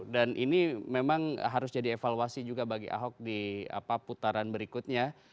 dan ini memang harus jadi evaluasi juga bagi ahok di putaran berikutnya